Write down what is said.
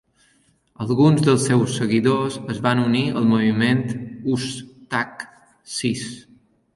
Alguns dels seus seguidors es van unir al moviment Ustadh Sis.